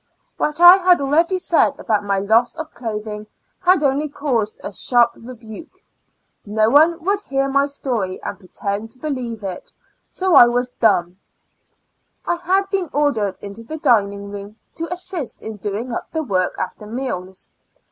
What I had already said about my loss of clothing had only caused a sharp rebuke 5 no one would hear my story and pretend to believe it ; so I was dumb. I had been ordered into the dinino^ room to assist in doing up the work after meals.